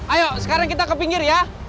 ayo sekarang kita ke pinggir ya